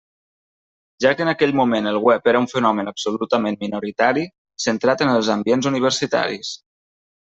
Ja que en aquell moment el web era un fenomen absolutament minoritari, centrat en els ambients universitaris.